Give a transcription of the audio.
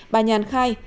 bà nhàn khai